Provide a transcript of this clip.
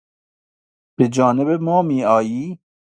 بجانب ما می آید